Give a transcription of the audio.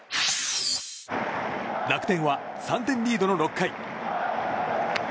楽天は３点リードの６回。